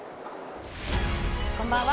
こんばんは。